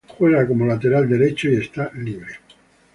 Juega como lateral derecho y está libre.